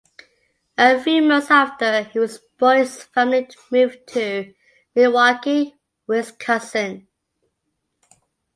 A few months after he was born, his family moved to Milwaukee, Wisconsin.